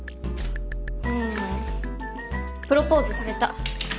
うんプロポーズされた。